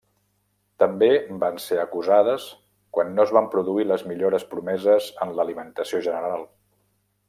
També van ser acusades quan no es van produir les millores promeses en l'alimentació general.